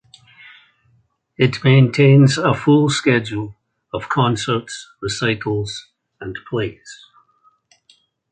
It maintains a full schedule of concerts, recitals, and plays.